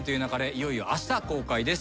いよいよあした公開です。